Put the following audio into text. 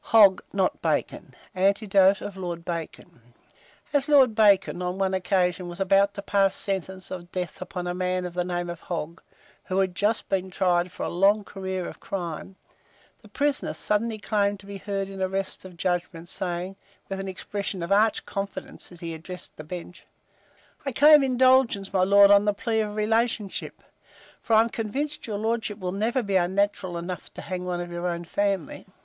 HOG NOT BACON. ANECDOTE OF LORD BACON. As Lord Bacon, on one occasion, was about to pass sentence of death upon a man of the name of Hogg, who had just been tried for a long career of crime, the prisoner suddenly claimed to be heard in arrest of judgment, saying, with an expression of arch confidence as he addressed the bench, "I claim indulgence, my lord, on the plea of relationship; for I am convinced your lordship will never be unnatural enough to hang one of your own family."